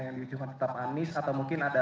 yang diusulkan tetap anis atau mungkin ada